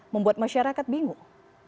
membuat masyarakat bingung